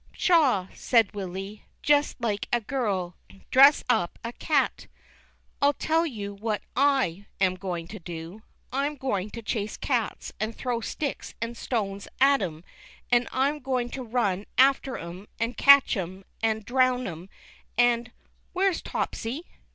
" P.shaw !" said Willy, " just like a girl ! dress up a cat ! I'll tell you what I am going to do. I'm going to chase cats and throw sticks and stones at 'em, and I'm going to run after 'em and catch 'em and drown 'em, and — where's Topsy